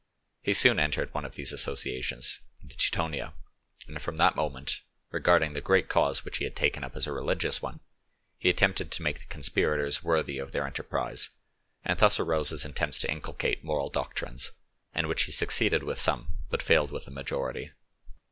He soon entered one of these associations, the Teutonia; and from that moment, regarding the great cause which he had taken up as a religious one, he attempted to make the conspirators worthy of their enterprise, and thus arose his attempts to inculcate moral doctrines, in which he succeeded with some, but failed with the majority.